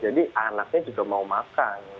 anaknya juga mau makan